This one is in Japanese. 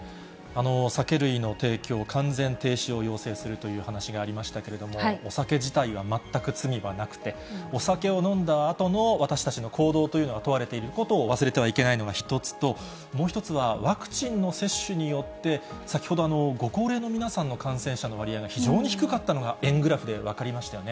酒類の提供、完全停止を要請するという話がありましたけれども、お酒自体は全く罪はなくて、お酒を飲んだあとの私たちの行動というのが問われていることを忘れてはいけないのが１つと、もう一つは、ワクチンの接種によって、先ほど、ご高齢の皆さんの感染者の割合が非常に低かったのが、円グラフで分かりましたよね。